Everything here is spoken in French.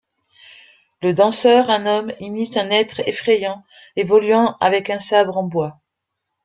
Le danseur, un homme, imite un être effrayant évoluant avec un sabre en bois.